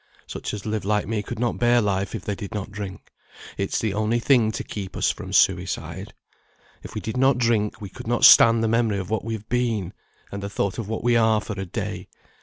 Such as live like me could not bear life if they did not drink. It's the only thing to keep us from suicide. If we did not drink, we could not stand the memory of what we have been, and the thought of what we are, for a day.